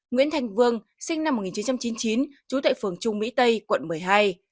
nguyễn thanh vương sinh năm một nghìn chín trăm chín mươi chín trú tại phường trung mỹ tây quận một mươi hai